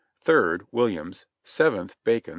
Third (Wil liam's), Seventh (Bacon's) S.